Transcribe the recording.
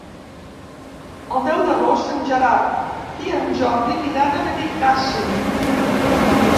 El deu d'agost en Gerard i en Jordi iran a Benicàssim.